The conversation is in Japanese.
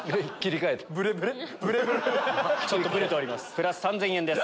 プラス３０００円です。